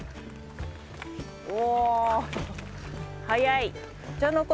お。